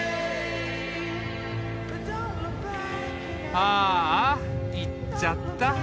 ああ行っちゃった。